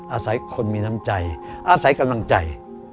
อาศัยคนมีน้ำใจอาศัยกำลังใจ